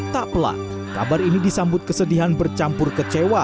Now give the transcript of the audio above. tak pelat kabar ini disambut kesedihan bercampur kecewa